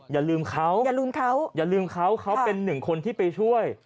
อย่าลืมเขาเขาเป็นหนึ่งคนที่ไปช่วย